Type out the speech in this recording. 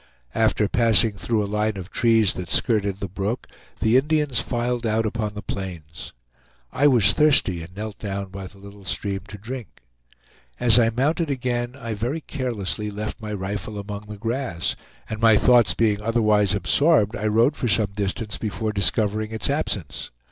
After passing through a line of trees that skirted the brook, the Indians filed out upon the plains. I was thirsty and knelt down by the little stream to drink. As I mounted again I very carelessly left my rifle among the grass, and my thoughts being otherwise absorbed, I rode for some distance before discovering its absence.